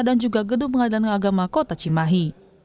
dan juga gedung pengadilan agama kota cimahi